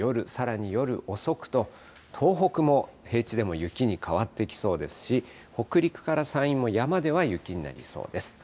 夜になりますと、夜、さら夜遅くと、東北も平地でも雪に変わってきそうですし、北陸から山陰も山では雪になりそうです。